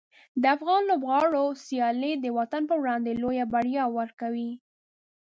د افغان لوبغاړو سیالۍ د وطن پر وړاندې لویې بریاوې ورکوي.